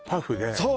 そう